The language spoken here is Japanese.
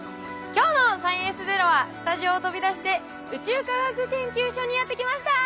今日の「サイエンスＺＥＲＯ」はスタジオを飛び出して宇宙科学研究所にやって来ました！